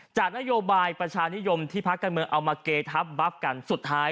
จากนโยบายประชานิยมที่พักการเมืองเอามาเกทับบับกันสุดท้าย